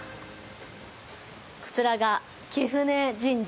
こちらが貴船神社。